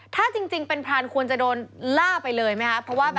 ถ้าจริงเป็นพรานควรจะโดนล่าไปเลยไหมครับ